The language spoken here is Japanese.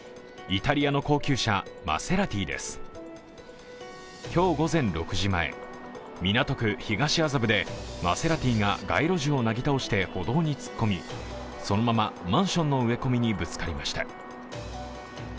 イタリアの高級車、マセラティです今日午前６時前港区東麻布でマセラティが街路樹をなぎ倒して歩道に突っ込みそのままマンションの植え込みにぶつかりました。